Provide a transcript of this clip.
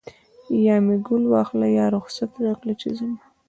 یا مې ګل واخله یا رخصت راکړه چې ځمه